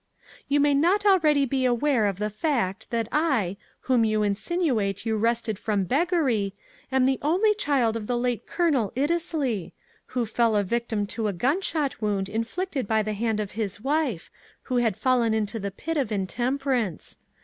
"You may not already be aware of the fact that I, whom you insinuate you wrested from beggary, am the only child of the late Colonel Iddesleigh, who fell a victim to a gunshot wound inflicted by the hand of his wife, who had fallen into the pit of intemperance.